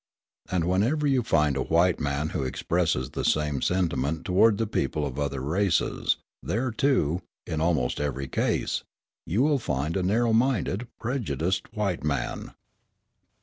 And, whenever you find a white man who expresses the same sentiment toward the people of other races, there, too, in almost every case, you will find a narrow minded, prejudiced white man.